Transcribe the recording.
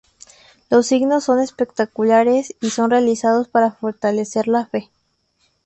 Los signos son espectaculares, y son realizados para fortalecer la fe.